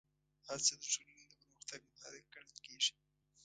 هڅه د ټولنې د پرمختګ محرک ګڼل کېږي.